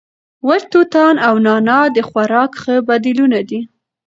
وچ توتان او نعناع د خوراک ښه بدیلونه دي.